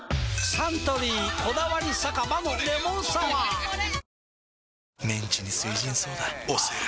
サントリー「こだわり酒場のレモンサワー」推せる！！